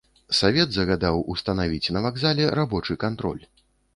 Савет загадаў устанавіць на вакзале рабочы кантроль.